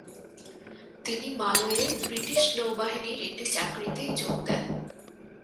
তিনি মালয়ে ব্রিটিশ নৌবাহিনীর একটি চাকরিতে যোগ দেন।